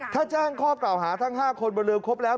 ถ้าแจ้งครอบคราวหาทั้งห้าคนบริเวณครบแล้ว